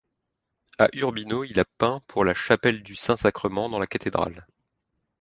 À Urbino, il a peint pour la Chapelle du Saint Sacrement dans la cathédrale.